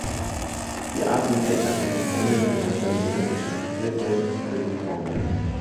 Die Arten der Gattung ähneln einander sehr und sind hellgelb bis braun.